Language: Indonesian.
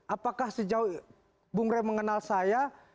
apakah sejauh bang ray mengenal saya